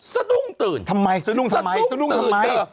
สะดุ้งตื่นทำไมสะดุ้งทำไม